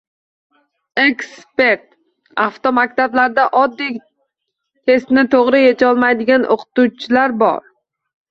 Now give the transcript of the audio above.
Ekspert: Avtomaktablarda oddiy testni to‘g‘ri yecholmaydigan o‘qituvchilar bor